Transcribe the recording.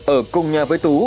ở cùng nhà với tú